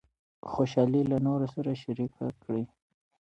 خوشحالي له نورو سره شریکه کړئ.